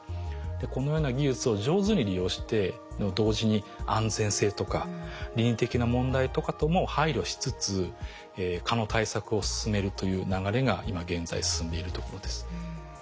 このような技術を上手に利用して同時に安全性とか倫理的な問題とかとも配慮しつつ蚊の対策を進めるという流れが今現在進んでいるところです。